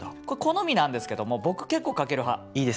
これ好みなんですけども僕結構かける派。